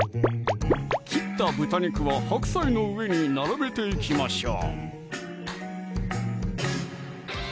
切った豚肉は白菜の上に並べていきましょう！